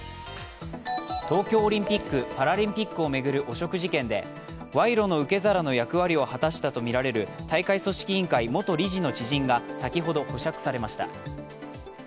東京オリンピック・パラリンピックを巡る汚職事件で賄賂の受け皿の役割を果たしたとみられる大会組織委員会元理事の知人が先ほど保釈されました。